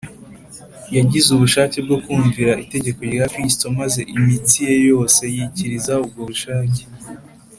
yagize ubushake bwo kumvira itegeko rya Kristo maze imitsi ye yose yikiriza ubwo bushake